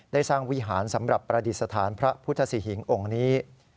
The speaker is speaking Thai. ได้สร้างวิหารสำหรับประดิษฐานพระพุทธศิหิงองค์นี้